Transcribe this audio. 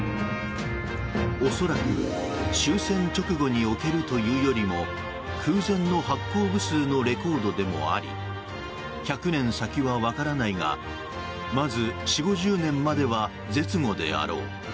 恐らく終戦直後におけるというよりも空前の発行部数のレコードでもあり１００年先は分からないがまず、４０５０年までは絶後であろう。